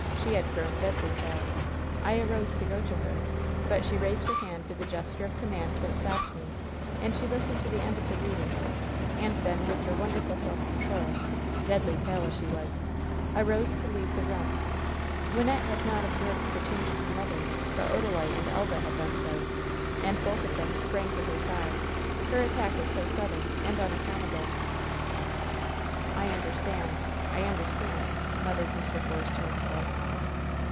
She had grown deadly pale. I arose to go to her, but she raised her hand with a gesture of com mand that stopped me, and she listened to the end of the reading, and then, with her wonderful self control — deadly pale as she was — arose to leave the room. Wyn nette had not observed the change in her mother; but Odalite and Elva had done so, and both of them sprang to her side. Her attack was so sudden and imaccount^ able." "I understand! I understand!" muttered Mr. Force to himself.